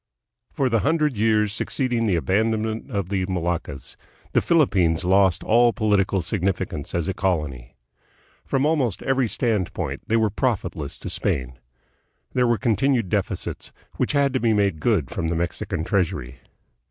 For the hundred years succeeding the abandonment of the Moluccas, the Philippines lost all political significance as a colony. From almost every standpoint they were profitless to Spain. There were continued deficits, which had to be made good from the Mexican treasury.